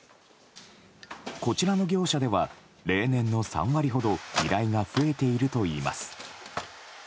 こちらの業者では例年の３割ほど依頼が増えているといいます。